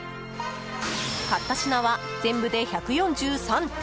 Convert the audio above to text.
買った品は全部で１４３点。